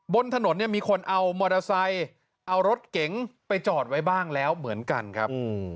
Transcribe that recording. บนถนนเนี่ยมีคนเอามอเตอร์ไซค์เอารถเก๋งไปจอดไว้บ้างแล้วเหมือนกันครับ